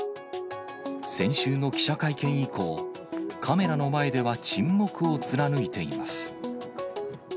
先週の記者会見以降、カメラの前では沈黙を貫いています。